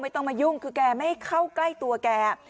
ต้องมายุ่งคือแกไม่ให้เข้าใกล้ตัวแก